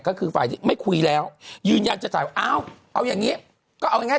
ก็คือฝ่ายที่ไม่คุยแล้วยืนยันจะจ่ายว่าอ้าวเอาอย่างนี้ก็เอาง่าย